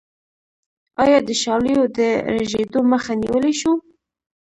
آیا د شالیو د رژیدو مخه نیولی شو؟